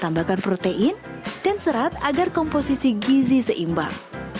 tambahkan protein dan serat agar komposisi gizi seimbang